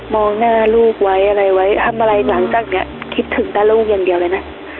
องหน้าลูกไว้อะไรไว้ทำอะไรหลังจากนี้คิดถึงแต่ลูกอย่างเดียวเลยนะ